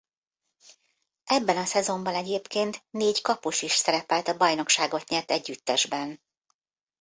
Ebben a szezonban egyébként négy kapus is szerepelt a bajnokságot nyert együttesben.